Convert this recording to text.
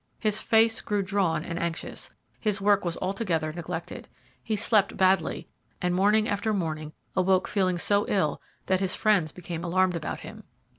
His face grew drawn and anxious, his work was altogether neglected. He slept badly, and morning after morning awoke feeling so ill that his friends became alarmed about him.